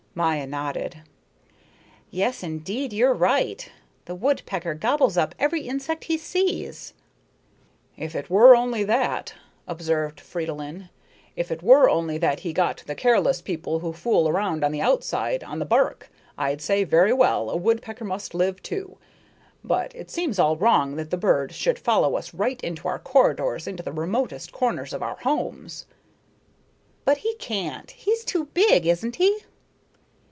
Maya nodded. "Yes, indeed, you're right. The woodpecker gobbles up every insect he sees." "If it were only that," observed Fridolin, "if it were only that he got the careless people who fool around on the outside, on the bark, I'd say, 'Very well, a woodpecker must live too.' But it seems all wrong that the bird should follow us right into our corridors into the remotest corners of our homes." "But he can't. He's too big, isn't he?"